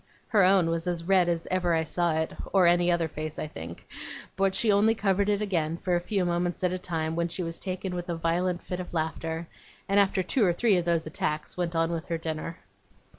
Her own was as red as ever I saw it, or any other face, I think; but she only covered it again, for a few moments at a time, when she was taken with a violent fit of laughter; and after two or three of those attacks, went on with her dinner.